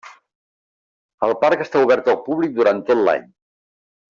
El parc està obert al públic durant tot l'any.